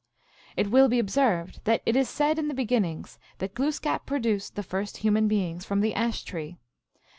It will be observed that it is said in the beginning that Glooskap produced the first human beings from the ash tree.